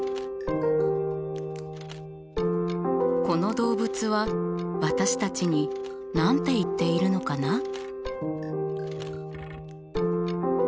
この動物は私たちに何て言っているのかな？